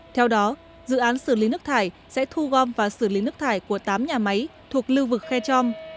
theo đó dự án xử lý nước thải sẽ thu gom và xử lý nước thải của tám nhà máy thuộc lưu vực khe trong